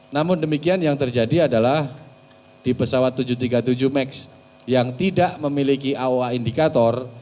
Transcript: namun demikian yang terjadi adalah di pesawat tujuh ratus tiga puluh tujuh max yang tidak memiliki aoa indikator